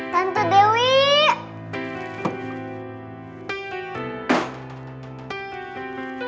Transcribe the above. papa papa ada masalah